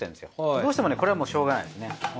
どうしてもねこれはもうしようがないですね。